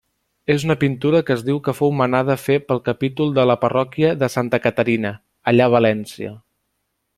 És una pintura que es diu que fou manada fer pel capítol de la parròquia de Santa Caterina, allà a València.